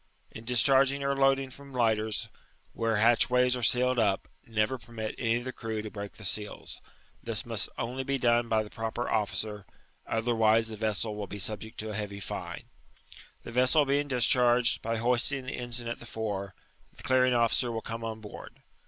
In discharging or loadb^ ^m lighters, where hatchways are sealed up, never permit any of the crew to break 4he seals: this must oidv be done by the proper officer, other wise the vessel will be subject to a heavy fine. The vessel being discharged, by hoisting the eataga at tiie fore, <ihe clearing officer will come on board.